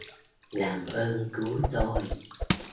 làm ơn cứu tôi